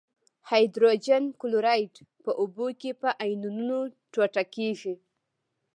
هایدروجن کلوراید په اوبو کې په آیونونو ټوټه کیږي.